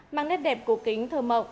mang nét đẹp cổ kính thơm mộng